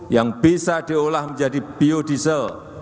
yang bisa diolah menjadi biodiesel